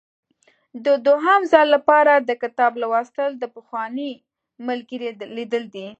د دوهم ځل لپاره د کتاب لوستل د پخواني ملګري لیدل دي.